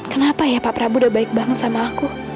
kenapa ya pak prabu udah baik banget sama aku